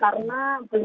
dari warga polandia